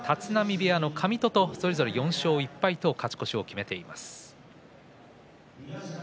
部屋の上戸とそれぞれ４勝１敗と勝ち越しを決めています。